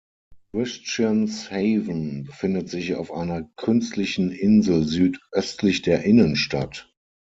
Christianshavn befindet sich auf einer künstlichen Insel südöstlich der Innenstadt.